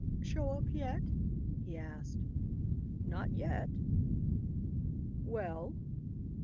"Show up yet?" he asked. "Not yet." "Well?"